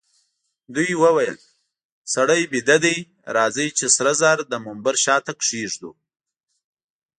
دوی وویل: سړی بیده دئ، راځئ چي سره زر د منبر شاته کښېږدو.